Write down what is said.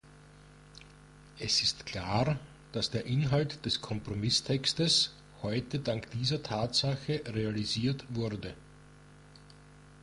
Es ist klar, dass der Inhalt des Kompromisstextes heute dank dieser Tatsache realisiert wurde.